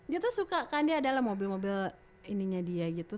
dia tuh suka kan dia ada lah mobil mobil ininya dia gitu